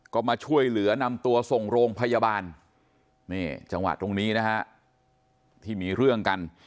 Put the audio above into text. ก็มาช่วยเหลือนำตัวส่งโรงพยาบาลนี่จังหวะตรงนี้นะฮะที่มีเรื่องกัน